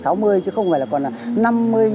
nghỉ sáu mươi chứ không phải là còn là